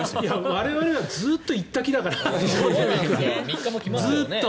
我々はずっと行った気だから。